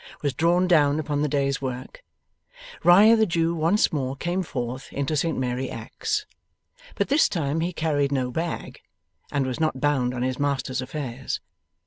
was drawn down upon the day's work, Riah the Jew once more came forth into Saint Mary Axe. But this time he carried no bag, and was not bound on his master's affairs.